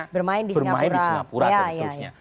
bermain di singapura